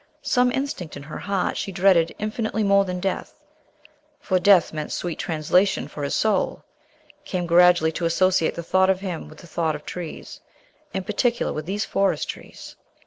Some instinct in her heart she dreaded infinitely more than death for death meant sweet translation for his soul came gradually to associate the thought of him with the thought of trees, in particular with these Forest trees.